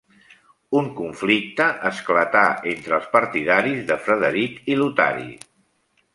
Un conflicte esclatà entre els partidaris de Frederic i Lotari.